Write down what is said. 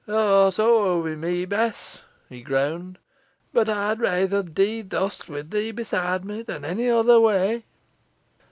"Aw's o'er wi' meh, Bess," he groaned; "but ey'd reyther dee thus, wi' thee besoide meh, than i' ony other wey."